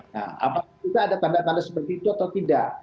nah apakah kita ada tanda tanda seperti itu atau tidak